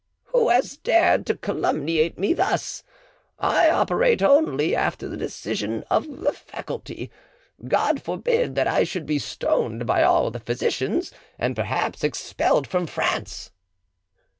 "Who has dared to calumniate me thus? I operate only after the decision of the Faculty. God forbid that I should be stoned by all the physicians, and perhaps expelled from France!"